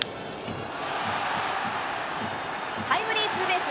タイムリーツーベース。